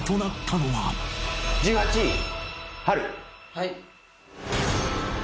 はい。